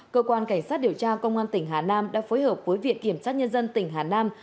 cơ quan cảnh sát điều tra công an tỉnh hà nam đã phối hợp với viện kiểm sát nhân dân tỉnh hà nam